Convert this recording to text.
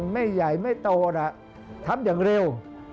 ไม่ใหญ่ไม่โตนะทำอย่างเร็ว